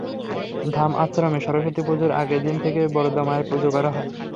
ধাম আশ্রমে সরস্বতী পূজার আগের দিন থেকে বরদা মায়ের পূজা করা হয়।